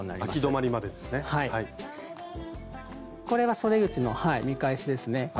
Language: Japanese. これはそで口の見返しですね。